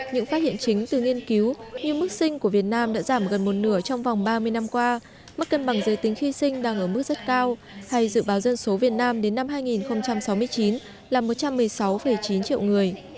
những phát hiện chính từ nghiên cứu như mức sinh của việt nam đã giảm gần một nửa trong vòng ba mươi năm qua mức cân bằng giới tính khi sinh đang ở mức rất cao hay dự báo dân số việt nam đến năm hai nghìn sáu mươi chín là một trăm một mươi sáu chín triệu người